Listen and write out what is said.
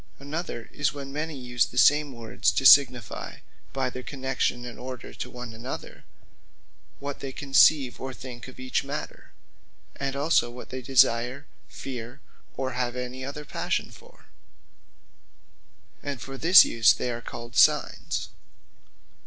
Another is, when many use the same words, to signifie (by their connexion and order,) one to another, what they conceive, or think of each matter; and also what they desire, feare, or have any other passion for, and for this use they are called Signes.